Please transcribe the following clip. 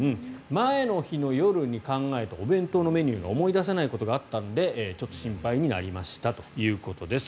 前の日の夜に考えたお弁当のメニューが思い出せないことがあったのでちょっと心配になりましたということです。